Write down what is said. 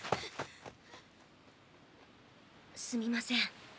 すみません。